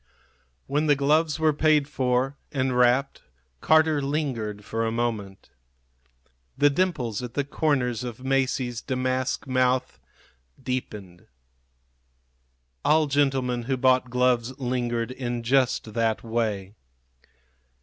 When the gloves were paid for and wrapped Carter lingered for a moment. The dimples at the corners of Masie's damask mouth deepened. All gentlemen who bought gloves lingered in just that way.